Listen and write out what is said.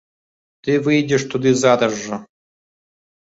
Ты выедзеш туды зараз жа.